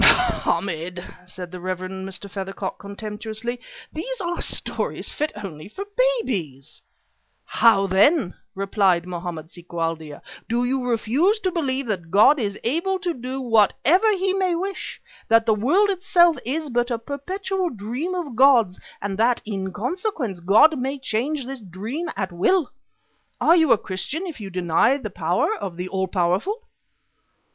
"Mohammed," said the Rev. Mr. Feathercock contemptuously, "these are stories fit only for babies." "How, then!" replied Mohammed si Koualdia. "Do you refuse to believe that God is able to do whatever he may wish, that the world itself is but a perpetual dream of God's and that, in consequence, God may change this dream at will? Are you a Christian if you deny the power of the All powerful?"